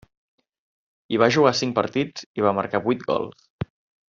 Hi va jugar cinc partits, i va marcar vuit gols.